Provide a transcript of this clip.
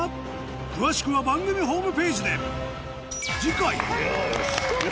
詳しくは番組ホームページで次回よし！